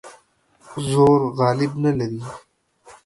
زور غالب نه لري.